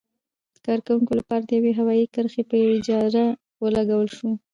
د کارکوونکو لپاره د یوې هوايي کرښې په اجاره ولګول شوه.